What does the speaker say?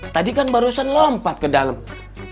tadi kan barusan lompat ke dalam